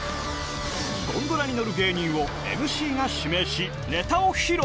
ゴンドラに乗る芸人をＭＣが指名し、ネタを披露。